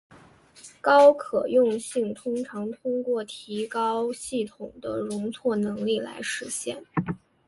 高可用性通常通过提高系统的容错能力来实现。